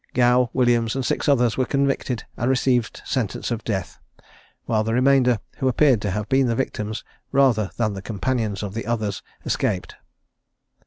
Gow, Williams, and six others, were convicted and received sentence of death; while the remainder, who appeared to have been the victims, rather than the companions of the others, escaped.